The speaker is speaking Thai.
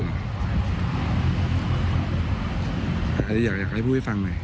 อันนี้อยากให้พูดให้ฟังหน่อย